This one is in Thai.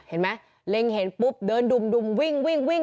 เห็นไหมเล็งเห็นปุ๊บเดินดุมวิ่งวิ่ง